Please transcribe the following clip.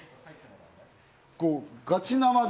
ガチ生で。